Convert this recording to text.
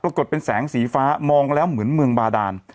เป็นแสงสีฟ้ามองแล้วเหมือนเมืองบาดาน